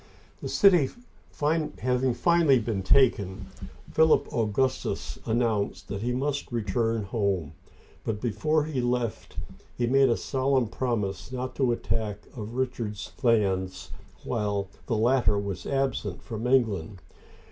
The city having finally been taken, Philip Augustus an nounced that he must return home ; but before he left he made a solemn promise not to attack any of Richard's lands while the latter was absent from England.